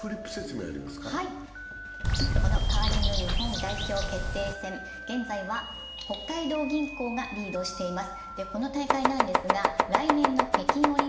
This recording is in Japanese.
カーリング日本代表決定戦、現在は北海道銀行がリードしています。